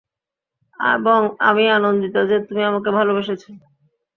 এবং আমি আনন্দিত যে, তুমি আমাকে ভালবেসেছো।